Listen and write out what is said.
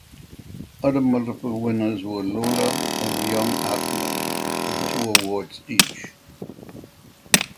Other multiple winners were "Lola" and "Young Ahmed" with two awards each.